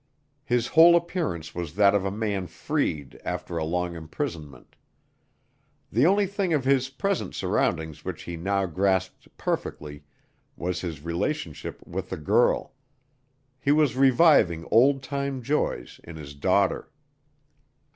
His whole appearance was that of a man freed after a long imprisonment. The only thing of his present surroundings which he now grasped perfectly was his relationship with the girl. He was reviving old time joys in his daughter.